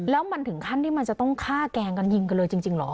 แล้วมันถึงขั้นที่มันจะต้องฆ่าแกล้งกันยิงกันเลยจริงเหรอ